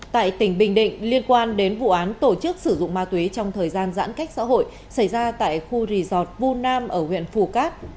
tại tỉnh bình định liên quan đến vụ án tổ chức sử dụng ma túy trong thời gian giãn cách xã hội xảy ra tại khu resortu nam ở huyện phù cát